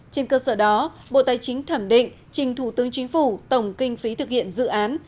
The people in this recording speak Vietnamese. trên cơ sở đó bộ tài chính thẩm định trình thủ tướng chính phủ tổng kinh phí thực hiện dự án